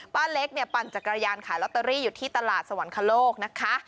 เล็กเนี่ยปั่นจักรยานขายลอตเตอรี่อยู่ที่ตลาดสวรรคโลกนะคะ